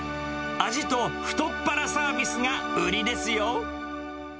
味と太っ腹サービスが売りですよ。